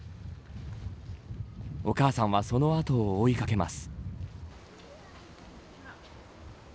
お母さんはその後を追い掛けます。